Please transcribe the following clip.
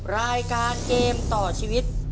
รายการเกมต่อชีวิต